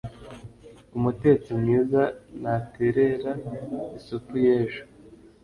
Umutetsi mwiza ntaterera isupu y'ejo